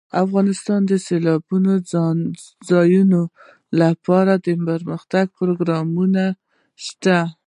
افغانستان کې د سیلانی ځایونه لپاره دپرمختیا پروګرامونه شته.